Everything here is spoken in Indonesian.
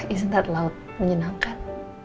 isn't that laut menyenangkan